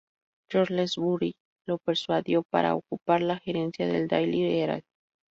George Lansbury lo persuadió para ocupar la gerencia del "Daily Herald".